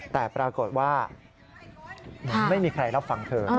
แต่ปรากฏว่าไม่มีใครรับฟังเธอ